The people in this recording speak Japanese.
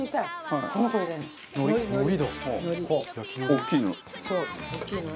大きいのね。